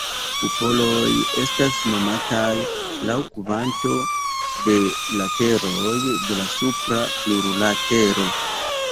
Kupoloj estas nomataj laŭ kvanto de lateroj de la supra plurlatero.